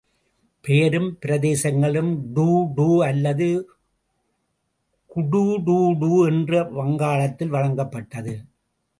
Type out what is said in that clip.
பெயரும் பிரதேசங்களும் டூ டூ அல்லது குடூ – டூ – டூ என்று வங்காளத்தில் வழங்கப்பட்டது.